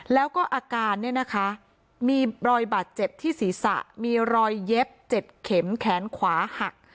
แล้วก็อาการเนี่ยนะคะมีรอยบาดเจ็บที่ศีรษะมีรอยเย็บ๗เข็มแขนขวาหัก